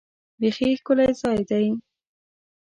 بیخي ښکلی ځای دی .